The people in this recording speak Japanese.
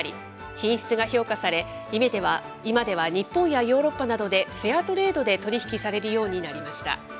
品質が評価され、今では日本やヨーロッパなどでフェアトレードで取り引きされるようになりました。